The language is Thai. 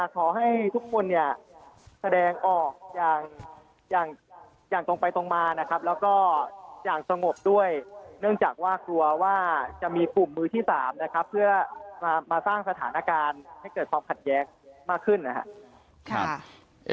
ขอให้ทุกคนเนี่ยแสดงออกอย่างตรงไปตรงมานะครับแล้วก็อย่างสงบด้วยเนื่องจากว่ากลัวว่าจะมีกลุ่มมือที่๓นะครับเพื่อมาสร้างสถานการณ์ให้เกิดความขัดแย้งมากขึ้นนะครับ